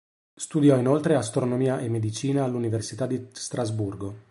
Studiò inoltre astronomia e medicina all'Università di Strasburgo.